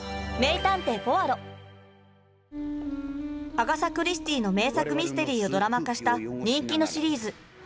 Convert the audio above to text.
アガサ・クリスティーの名作ミステリーをドラマ化した人気のシリーズ。